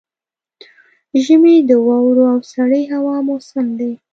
ژمی د واورو او سړې هوا موسم دی.